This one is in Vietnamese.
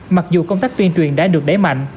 mặc dù công tác tuyên truyền đã được đẩy mạnh